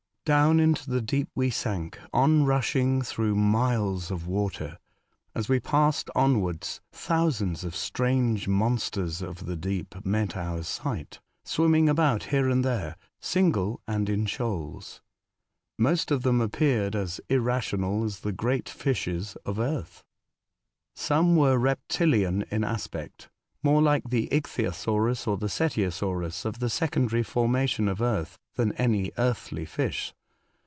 DOWN into the deep we sank. On rusliinp^ through miles of water. As we passed onwards thousands of strange monsters of the deep met our sight, swimming about here and there, single and in shoals. Most of them appeared as irrational as the great fishes of earth. Some were reptilian in aspect, more like the ichthyosaurus or the cetiosaurus of the secondary formation of earth than any earthly fish.